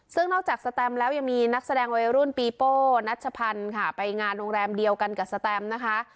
ซึ่งนอกจากสแตมแล้วยังมีนักแสดงวัยรุ่นปีโป้นัชพันธ์ค่ะไปงานโรงแรมเดียวกันกับสแตมนะคะ